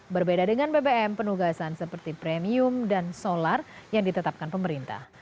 berbeda dengan bbm penugasan seperti premium dan solar yang ditetapkan pemerintah